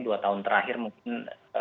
dua tahun terakhir mungkin